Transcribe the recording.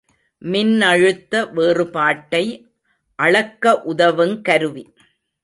மின்னழுத்த வேறுபாட்டை அளக்க உதவுங் கருவி.